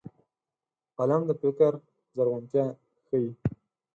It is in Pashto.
قلم د فکر زرغونتيا ښيي